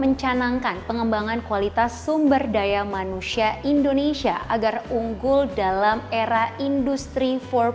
mencanangkan pengembangan kualitas sumber daya manusia indonesia agar unggul dalam era industri empat